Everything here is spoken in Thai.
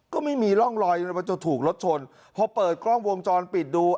ก็ไม่มีร่องรอยว่าจะถูกรถชนพอเปิดกล้องวงจรปิดดู